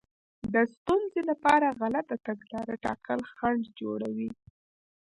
د ستونزې لپاره غلطه تګلاره ټاکل خنډ جوړوي.